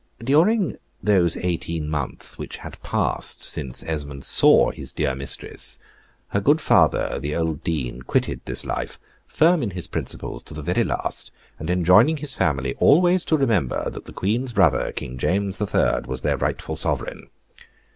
During those eighteen months which had passed since Esmond saw his dear mistress, her good father, the old Dean, quitted this life, firm in his principles to the very last, and enjoining his family always to remember that the Queen's brother, King James the Third, was their rightful sovereign.